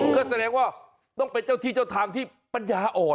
ก็แสดงว่าต้องเป็นเจ้าที่เจ้าทางที่ปัญญาอ่อน